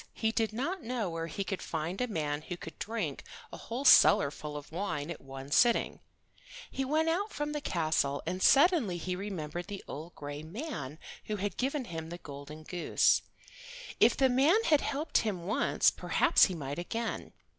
He did not know where he could find a man who could drink a whole cellar full of wine at one sitting. He went out from the castle, and suddenly he remembered the old gray man who had given him the golden goose. If the old man had helped him once perhaps he might again.